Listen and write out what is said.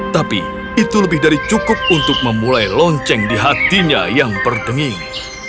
tapi itu lebih dari cukup untuk memulai lonceng di hatinya yang berdenging